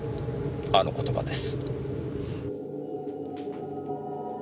あの言葉です。